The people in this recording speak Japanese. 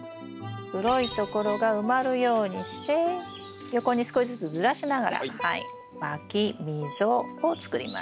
黒いところが埋まるようにして横に少しずつずらしながらまき溝を作ります。